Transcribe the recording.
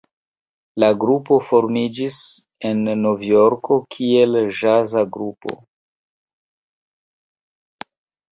La grupo formiĝis en Novjorko kiel ĵaza grupo.